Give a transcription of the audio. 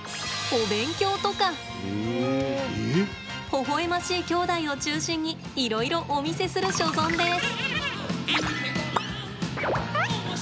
ほほ笑ましい兄弟を中心にいろいろお見せする所存です。